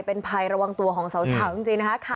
เป็นภัยระวังตัวของสาวสาวจริงจริงฮะค่ะ